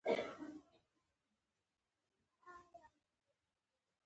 برېښنا ته پام وکړه.